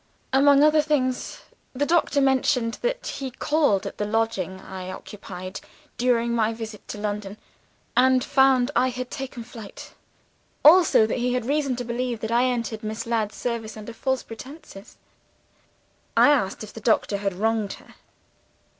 Among other things, the doctor mentions that he called at the lodging I occupied during my visit to London, and found I had taken to flight: also that he had reason to believe I had entered Miss Ladd's service, under false pretenses.' "I asked if the doctor had wronged her.